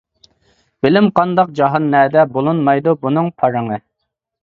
بىلىم قانداق، جاھان نەدە؟ بولۇنمايدۇ بۇنىڭ پارىڭى.